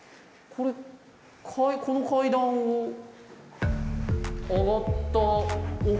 この階段を？上がった？